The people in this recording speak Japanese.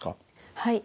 はい。